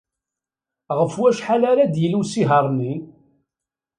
Ɣef wacḥal ara d-yili usihaṛ-nni?